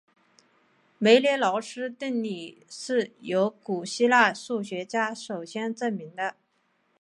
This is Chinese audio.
梅涅劳斯定理是由古希腊数学家首先证明的。